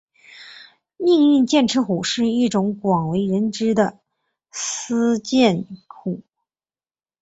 命运剑齿虎是一种广为人知的斯剑虎。